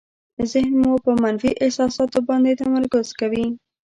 ذهن مو په منفي احساساتو باندې تمرکز کوي.